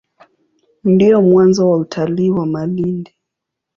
Ndio mwanzo wa utalii wa Malindi.